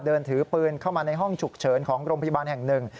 เดินถือปืนเข้ามาในห้องฉุกเฉินของโรงพยาบาลแห่งหนึ่ง